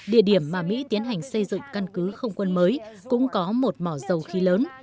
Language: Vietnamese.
địa điểm mà mỹ tiến hành xây dựng căn cứ không quân mới cũng có một mỏ dầu khí lớn